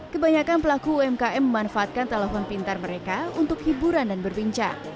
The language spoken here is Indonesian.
kebanyakan pelaku umkm memanfaatkan telepon pintar mereka untuk hiburan dan berbincang